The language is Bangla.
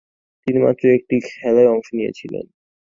তিনি মাত্র একটি খেলায় অংশ নিয়েছিলেন।